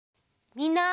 みんな！